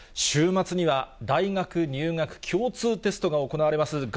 週末には大学入学共通テストが行われます。